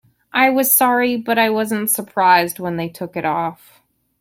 I was sorry, but I wasn't surprised when they took it off.